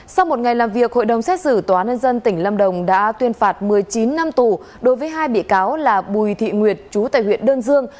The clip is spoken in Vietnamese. sau một ngày làm việc hội đồng xét xử tòa nhân dân tỉnh lâm đồng đã tuyên phạt một mươi chín năm tù đối với hai bị cáo là bùi thị nguyệt chú tại huyện đơn dương